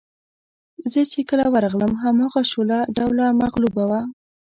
زه چې کله ورغلم هماغه شوله ډوله مغلوبه وه.